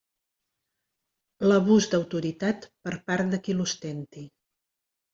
L'abús d'autoritat per part de qui l'ostenti.